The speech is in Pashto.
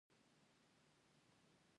دا پنځوس زره افغانۍ هماغه اضافي ارزښت دی